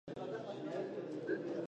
پروژه ارزښت لري.